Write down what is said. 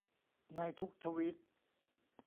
ในทุกทวีต